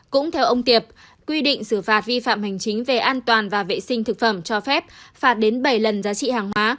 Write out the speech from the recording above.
cũng theo ông tiệp quy định xử phạt vi phạm hành chính về an toàn và vệ sinh thực phẩm cho phép phạt đến bảy lần giá trị hàng hóa